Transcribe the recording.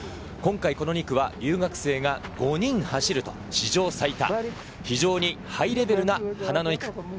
今回この２区は留学生が５人走る史上最多、非常にハイレベルな花の２区。